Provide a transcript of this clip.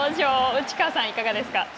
内川さん、いかがですか。